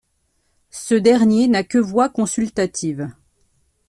Ce dernier n’a que voix consultative.